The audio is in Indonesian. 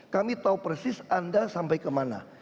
kami tahu persis anda sampai kemana